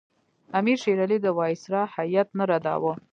امیر شېر علي د وایسرا هیات نه رداوه.